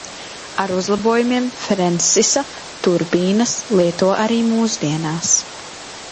Ar uzlabojumiem Frensisa turbīnas lieto arī mūsdienās.